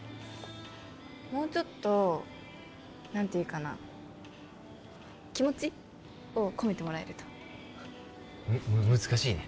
もうちょっと何て言うかな気持ちを込めてもらえるとむ難しいね